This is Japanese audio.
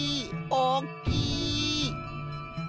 おっきい！